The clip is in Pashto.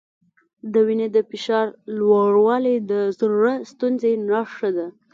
د وینې د فشار لوړوالی د زړۀ ستونزې نښه ده.